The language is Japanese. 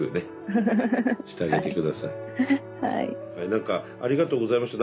何かありがとうございました。